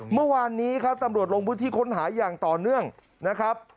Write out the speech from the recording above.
เมื่อวานนี้ครับตำรวจลงพื้นที่ค้นหาอย่างต่อเนื่องนะครับ